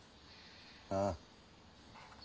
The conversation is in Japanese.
ああ。